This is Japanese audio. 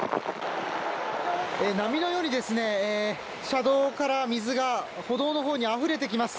波のように車道から水が歩道のほうにあふれてきます。